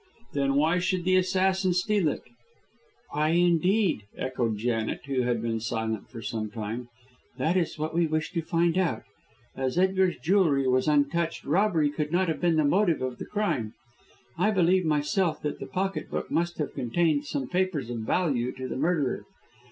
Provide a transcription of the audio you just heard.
"Then why should the assassin steal it?" "Why, indeed!" echoed Janet, who had been silent for some time; "that is what we wish to find out. As Edgar's jewellery was untouched, robbery could not have been the motive of the crime. I believe myself that the pocket book must have contained some papers of value to the murderer.